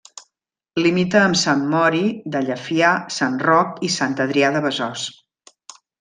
Limita amb Sant Mori de Llefià, Sant Roc i Sant Adrià de Besòs.